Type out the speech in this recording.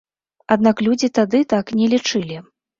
Аднак людзі тады так не лічылі.